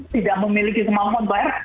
tidak memiliki kemampuan bayar